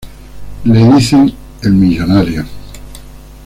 Le dicen el Millonario.